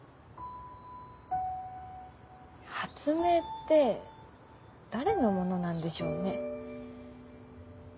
発明って誰のものなんでしょうね。